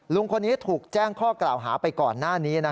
ลุงคนนี้ถูกแจ้งข้อกล่าวหาไปก่อนหน้านี้